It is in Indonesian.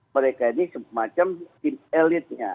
mereka ini semacam elitnya